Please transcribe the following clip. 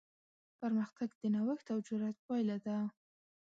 پرمختګ د نوښت او جرات پایله ده.